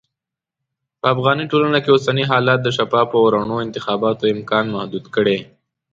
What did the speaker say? په افغاني ټولنه کې اوسني حالات د شفافو او رڼو انتخاباتو امکان محدود کړی.